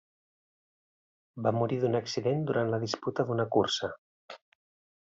Va morir d'un accident durant la disputa d'una cursa.